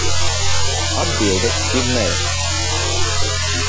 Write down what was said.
Atbilde ir nē.